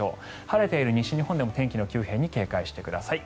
晴れている西日本でも天気の急変に警戒してください。